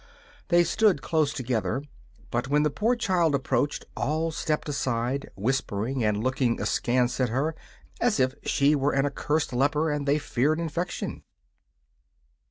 They stood close together, but when the poor child approached all stepped aside, whispering and looking askance at her as if she were an accursed leper and they feared infection.